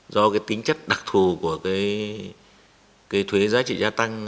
do tính chất đặc thù của thuế giá trị gia tăng